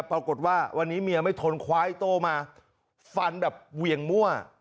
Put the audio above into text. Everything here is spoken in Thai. ปรากฏว่าวันนี้เมียไม่ทนคว้าไอโต้มาฟันแบบเวียงมั่ว